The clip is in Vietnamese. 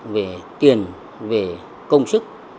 về tiền về công sức